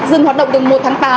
dừng hoạt động từ một tháng tám